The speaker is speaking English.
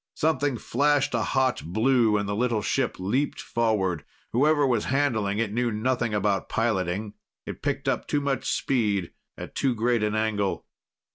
Something flashed a hot blue, and the little ship leaped forward. Whoever was handling it knew nothing about piloting. It picked up too much speed at too great an angle.